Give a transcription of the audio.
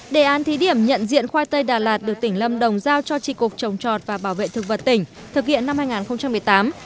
đề án thí điểm nhận diện khoai tây đà lạt được tỉnh lâm đồng giao cho trị cục trồng trọt và bảo vệ thực vật tỉnh thực hiện năm hai nghìn một mươi tám